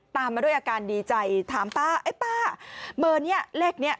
ตามมาด้วยอาการดีใจถามป้าไอ้ป้าเบอร์นี้เลขนี้